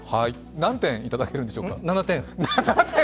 何点いただけるんでしょうか？